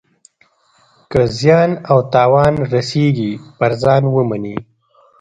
که زیان او تاوان رسیږي پر ځان ومني.